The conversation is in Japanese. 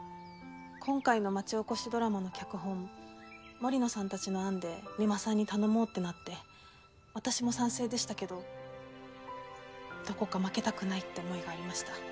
今回の町おこしドラマの脚本森野さんたちの案で三馬さんに頼もうってなって私も賛成でしたけどどこか負けたくないって思いがありました。